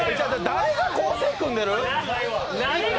誰が構成組んでる？